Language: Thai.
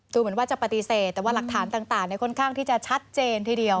เหมือนว่าจะปฏิเสธแต่ว่าหลักฐานต่างค่อนข้างที่จะชัดเจนทีเดียว